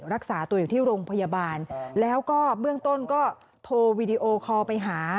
รักษาตัวอยู่ที่โรงพยาบาลแล้วก็เบื้องต้นก็โทรวีดีโอคอลไปหา